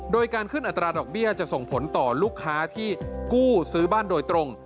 โดยการขึ้นอัตราดอกเบี้ยจะส่งผลต่อลูกค้าที่กู้ซื้อบ้านโดยตรง